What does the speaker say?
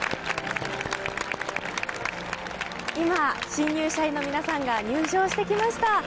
今、新入社員の皆さんが入場してきました。